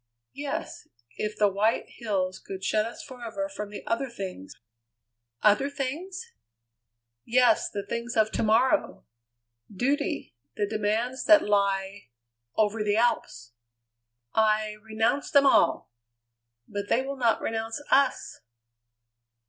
"Yes, if the white hills could shut us forever from the other things." "Other things?" "Yes, the things of to morrow. Duty, the demands that lie over the Alps." "I renounce them all!" "But they will not renounce us!"